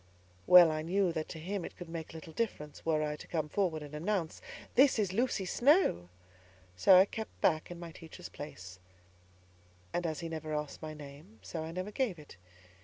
Well I knew that to him it could make little difference, were I to come forward and announce, "This is Lucy Snowe!" So I kept back in my teacher's place; and as he never asked my name, so I never gave it.